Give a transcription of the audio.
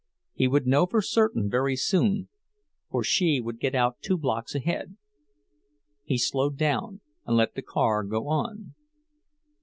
He would know for certain very soon, for she would get out two blocks ahead. He slowed down, and let the car go on.